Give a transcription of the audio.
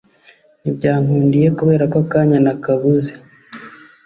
ntibyankundiye kubera ko akanya nakabuze